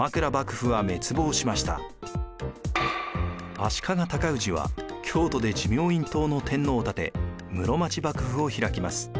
足利尊氏は京都で持明院統の天皇を立て室町幕府を開きます。